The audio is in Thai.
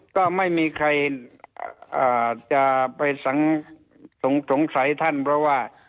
ก็ไม่มีใครจะไปสังสงสัยท่านเพราะว่า